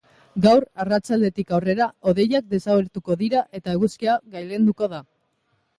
Gaur arratsaldetik aurrera, hodeiak desagertuko dira eta eguzkia gailenduko da.